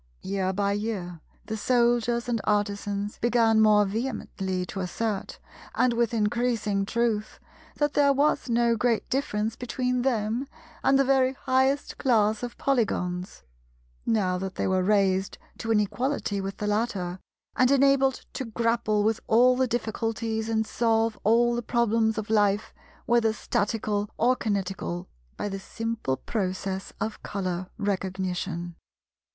Year by year the Soldiers and Artisans began more vehemently to assert—and with increasing truth—that there was no great difference between them and the very highest class of Polygons, now that they were raised to an equality with the latter, and enabled to grapple with all the difficulties and solve all the problems of life, whether Statical or Kinetical, by the simple process of Colour Recognition.